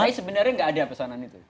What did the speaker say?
tapi sebenarnya nggak ada pesanan itu